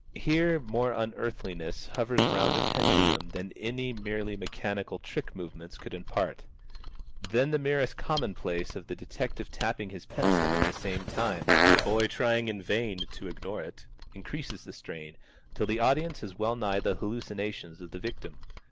Here more unearthliness hovers round a pendulum than any merely mechanical trick movements could impart. Then the merest commonplace of the detective tapping his pencil in the same time the boy trying in vain to ignore it increases the strain, till the audience has well nigh the hallucinations of the victim.